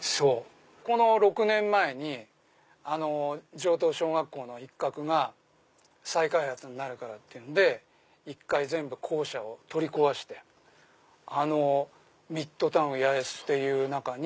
この６年前に城東小学校の一画が再開発になるからっていうんで１回全部校舎を取り壊してミッドタウン八重洲っていう中に。